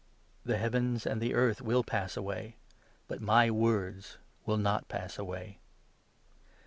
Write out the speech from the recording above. The heavens and the earth will pass away, but my words will not pass away.